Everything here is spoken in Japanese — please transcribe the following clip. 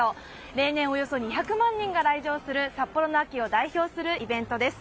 例年およそ２００万人が来場する札幌の秋を代表するイベントです。